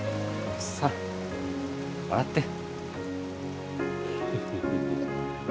さあ笑って。